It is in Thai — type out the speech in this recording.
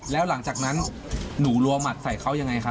แล้วหลังจากนั้นหนูรัวหมัดใส่เขายังไงคะ